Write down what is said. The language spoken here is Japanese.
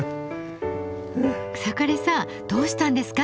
草刈さんどうしたんですか？